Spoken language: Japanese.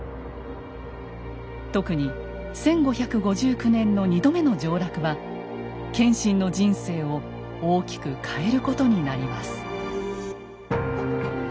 特に１５５９年の２度目の上洛は謙信の人生を大きく変えることになります。